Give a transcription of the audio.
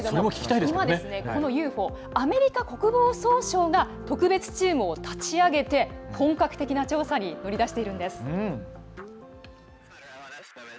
今、このＵＦＯアメリカ国防総省が特別チームを立ち上げて、本格的な調査に乗り出しているんです。